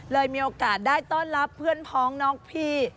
มีโอกาสได้ต้อนรับเพื่อนพ้องน้องพี่